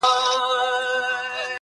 • ته دې هره ورځ و هيلو ته رسېږې.